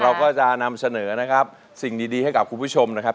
เราก็จะนำเสนอนะครับสิ่งดีให้กับคุณผู้ชมนะครับ